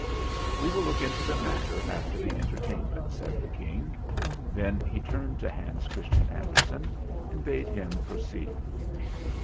"We will look into the matter after the en tertainment," said the King. Then he turned THE ENTERTAINMENT 131 to Hans Christian Andersen and bade him pro ceed.